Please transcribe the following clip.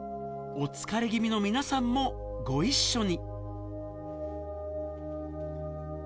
お疲れ気味の皆さんもご一緒に！